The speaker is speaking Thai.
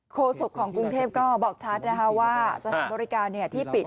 โศกของกรุงเทพก็บอกชัดนะคะว่าสถานบริการที่ปิด